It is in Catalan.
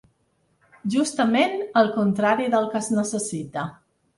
Justament el contrari del que es necessita.